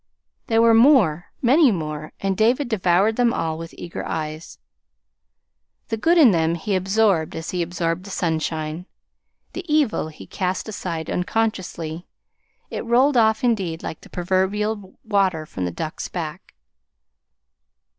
There were more, many more, and David devoured them all with eager eyes. The good in them he absorbed as he absorbed the sunshine; the evil he cast aside unconsciously it rolled off, indeed, like the proverbial water from the duck's back.